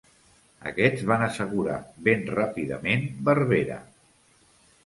Aquests van assegurar ben ràpidament Berbera.